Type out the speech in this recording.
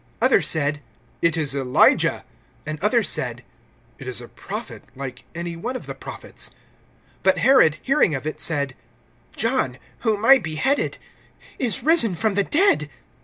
(15)Others said: It is Elijah. And others said: It is a prophet, like any one of the prophets. (16)But Herod hearing of it, said: John, whom I beheaded, is risen from the dead.